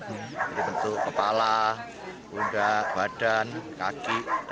jadi bentuk kepala undak badan kaki